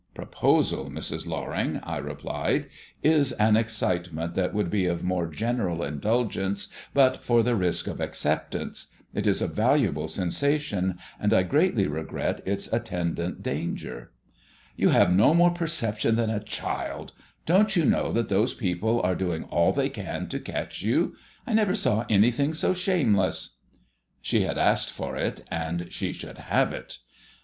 "Proposal, Mrs. Loring," I replied, "is an excitement that would be of more general indulgence but for the risk of acceptance. It is a valuable sensation, and I greatly regret its attendant danger." "You have no more perception than a child. Don't you know that those people are doing all they can to catch you? I never saw anything so shameless." She had asked for it, and she should have it.